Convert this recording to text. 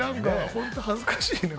本当、恥ずかしいな。